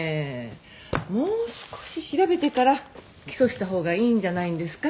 もう少し調べてから起訴したほうがいいんじゃないんですか？